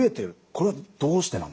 これはどうしてなんですか？